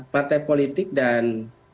partai politik dan